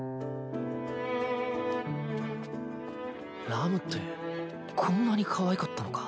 ラムってこんなにかわいかったのか